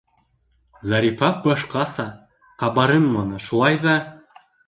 Зарифа башҡаса ҡабарынманы, шулай ҙа: